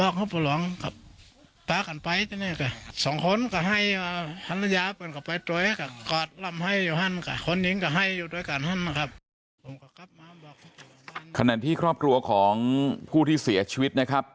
ครอบครัวของผู้ที่เสียชีวิตนะครับ